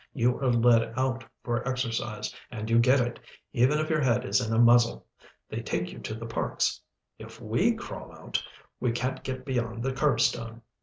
You are led out for exercise, and you get it, even if your head is in a muzzle. They take you to the parks. If we crawl out, we can't get beyond the curbstone.